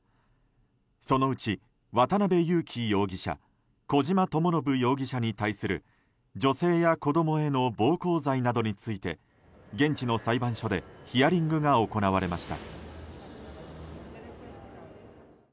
そのうち渡邉優樹容疑者小島智信容疑者に対する女性や子供への暴行罪などについて現地の裁判所でヒアリングが行われました。